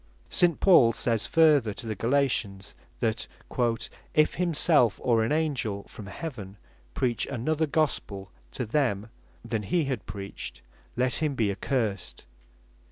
St. Paul says further to the Galatians, that "if himself, or an Angell from heaven preach another Gospel to them, than he had preached, let him be accursed."